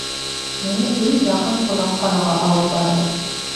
Мине иң яҡын ҡунаҡханаға алып барығыҙ